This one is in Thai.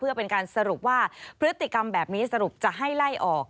เพื่อเป็นการสรุปว่าพฤติกรรมแบบนี้สรุปจะให้ไล่ออก